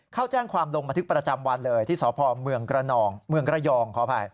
เขาแจ้งความลงมาทึกประจำวันเลยที่สพเมืองกระยอง